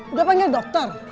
udah panggil dokter